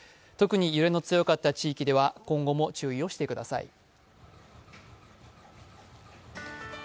特に揺れの強かった地域では今後も注意をしてください。